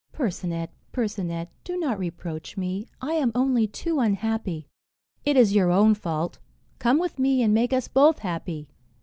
"Percinet, Percinet, do not reproach me; I am only too unhappy." "It is your own fault. Come with me, and make us both happy."